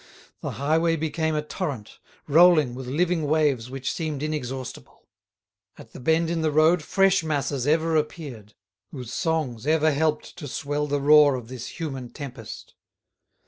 The highway became a torrent, rolling with living waves which seemed inexhaustible. At the bend in the road fresh masses ever appeared, whose songs ever helped to swell the roar of this human tempest.